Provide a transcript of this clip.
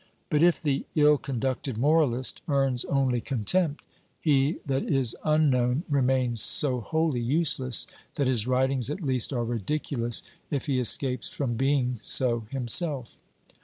OBERMANN 335 But if the ill conducted moralist earns only contempt, he that is unknown remains so wholly useless that his writings at least are ridiculous if he escapes from being so himself.